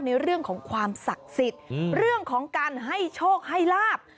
ในเรื่องของความศักดิ์สิทธิ์เรื่องของการให้โชคให้ลาบ